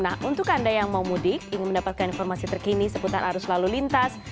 nah untuk anda yang mau mudik ingin mendapatkan informasi terkini seputar arus lalu lintas